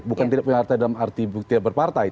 bukan tidak punya partai dalam arti tidak berpartai